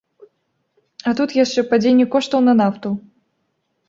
А тут яшчэ падзенне коштаў на нафту.